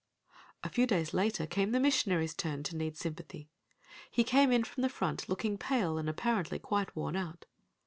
A few days later came the missionary's turn to need sympathy. He came in from the front looking pale and apparently quite worn out.